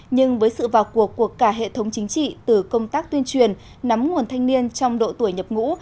nhưng với sự vào cuộc của cả hệ thống chính trị từ công tác tuyên truyền nắm nguồn thanh niên trong độ tuổi nhập ngũ